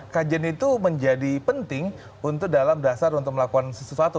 kajian itu menjadi penting untuk dalam dasar untuk melakukan sesuatu